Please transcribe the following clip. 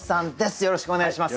よろしくお願いします。